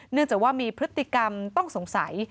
เนื่องจากว่ามีพฤติกรรมต้องสงสัย